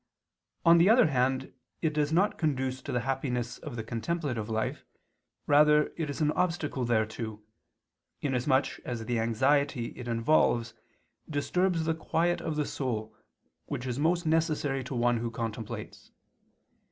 On the other hand, it does not conduce to the happiness of the contemplative life, rather is it an obstacle thereto, inasmuch as the anxiety it involves disturbs the quiet of the soul, which is most necessary to one who contemplates.